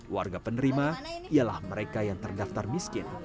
warga penerima ialah mereka yang terdaftar miskin